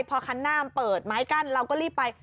พอคันหน้ามันเปิดไม้กั้นเราก็รีบไป